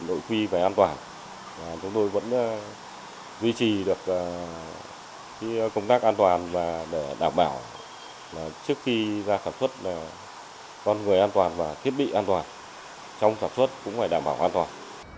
đội quy về an toàn chúng tôi vẫn duy trì được công tác an toàn và để đảm bảo trước khi ra sản xuất con người an toàn và thiết bị an toàn trong sản xuất cũng phải đảm bảo an toàn